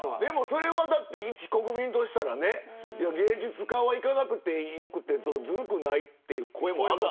それは一国民としたら芸術家は行かなくてよくてずるくないという声も。